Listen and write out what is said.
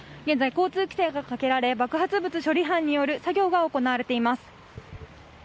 現在、交通規制がかけられ爆発物処理班による作業が行われています。